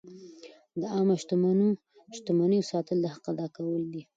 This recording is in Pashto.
د عامه شتمنیو ساتل د حق ادا کول دي.